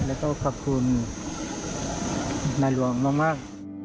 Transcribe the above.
แล้วก็ขอบคุณนายหลวงมาก